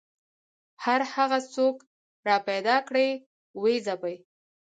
هر هغه څوک راپیدا کړي ویې ځپي